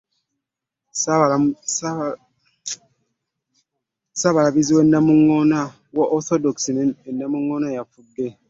Sabalabirizi wa sodokisi ne Namungoona yaffude.